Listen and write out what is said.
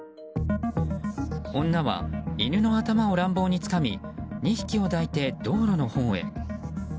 女は犬の頭を乱暴につかみ２匹を抱いて道路のほうへ。